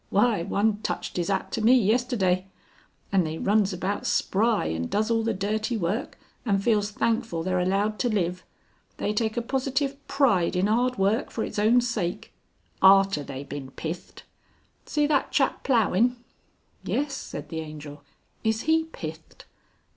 Why! One touched 'is 'at to me yesterday. And they runs about spry and does all the dirty work, and feels thankful they're allowed to live. They take a positive pride in 'ard work for its own sake. Arter they bin pithed. See that chap ploughin'?" "Yes," said the Angel; "is he pithed?"